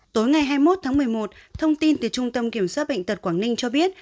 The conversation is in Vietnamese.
tối ngày hai mươi một tháng một mươi một thông tin từ trung tâm kiểm soát bệnh tật quảng ninh cho biết